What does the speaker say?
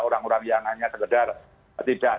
orang orang yang hanya sekedar tidak